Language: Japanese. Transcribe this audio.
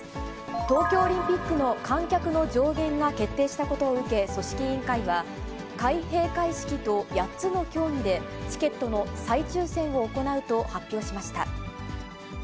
東京オリンピックの観客の上限が決定したことを受け、組織委員会は、開閉会式と８つの競技で、チケットの再抽せんを行うと発表しました。